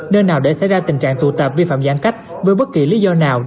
nơi nào để xảy ra tình trạng tụ tập vi phạm giãn cách với bất kỳ lý do nào